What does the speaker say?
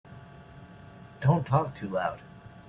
Don't talk too loud.